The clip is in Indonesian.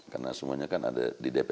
karena semuanya kan ada di dpp